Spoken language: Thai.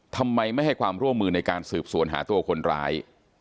ทำไมไม่ให้ความร่วมมือในการสืบสวนหาตัวคนร้าย